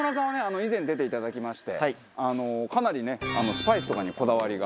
以前出ていただきましてかなりねスパイスとかにこだわりが。